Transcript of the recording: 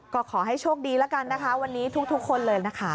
ก็ขอให้โชคดีแล้วกันนะคะวันนี้ทุกคนเลยนะคะ